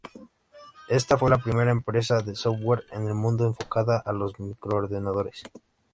Esta fue la primera empresa de software en el mundo enfocada a los microordenadores.